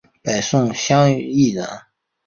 北宋襄邑人。